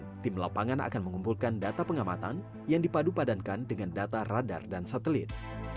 pada proses penyemaian tim lapangan akan mengumpulkan data pengamatan yang dipadupadankan dengan data radar dan satelit